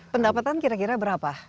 pendapatan kira kira berapa